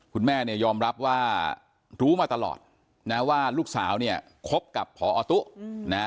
คุณแม่ยอมรับว่ารู้มาตลอดว่าลูกสาวครบกับพอตู้